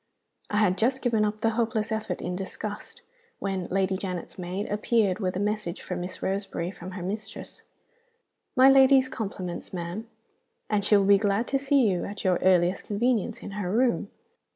I had just given up the hopeless effort in disgust, when Lady Janet's maid appeared with a message for Miss Roseberry from her mistress: 'My lady's compliments, ma'am, and she will be glad to see you at your earliest convenience, in her room.